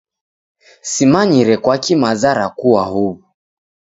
Simanyire kwaki maza rakua huw'u!